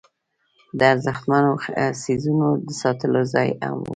د ارزښتمنو څیزونو د ساتلو ځای هم و.